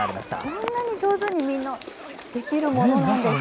こんなに上手に、みんなできるものなんですか。